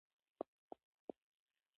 ماشومان د لوبو له لارې د ځان باور ترلاسه کوي.